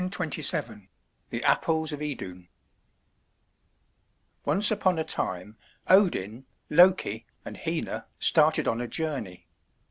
CHAPTER XIV THE APPLES OF IDUN Once upon a time Odin, Loki, and Hœner started on a journey.